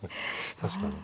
確かに。